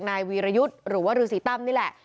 นายวีรยุทธ์หรือว่าฤษีตั้มนี่แหละ